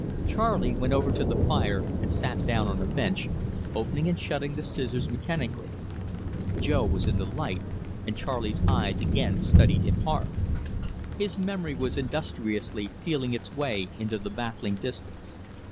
Charley went over to the fire and sat down on a bench, opening and shutting the scissors mechanically. Jo was in the light, and Charley's eyes again studied him hard. His memory was industriously feeling its way into the baffling distance.